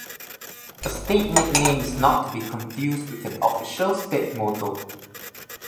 A state nickname is not to be confused with an official state motto.